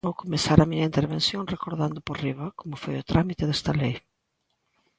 Vou comezar a miña intervención recordando por riba como foi o trámite desta lei.